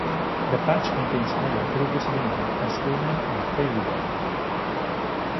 The Patch contains area previously known as Coonan and Fairy Dell.